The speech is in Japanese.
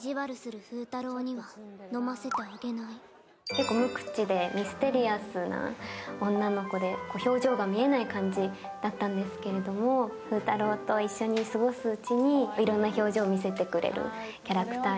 結構無口でミステリアスな女の子で表情が見えない感じだったんですけれども、風太郎と一緒に過ごすうちにいろんな表情を見せてくれるキャラクター。